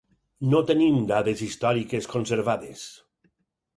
No tenim dades històriques conservades.